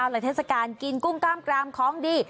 รัฐธรรมกินกุ้งกล้ามกรามของดี